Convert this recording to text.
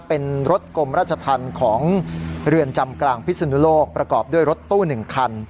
เป็นรถกรมราชธรรมของเรือนจำกลางพิศนุโลกประกอบด้วยรถตู้๑คัน